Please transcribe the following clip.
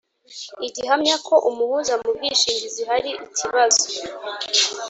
igihamya ko umuhuza mu bwishingizi hari ikibazo